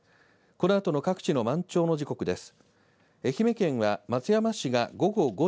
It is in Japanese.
このあとの各地の満潮の時刻です。